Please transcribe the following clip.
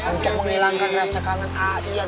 untuk menghilangkan rasa kangen aian